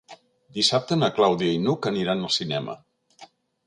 Dissabte na Clàudia i n'Hug aniran al cinema.